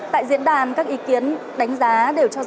tại diễn đàn các ý kiến đánh giá đều cho rằng